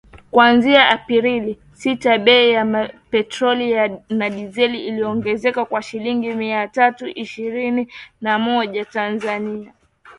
kuanzia Aprili sita bei ya petroli na dizeli iliongezeka kwa shilingi mia tatu ishirini na moja za Tanzania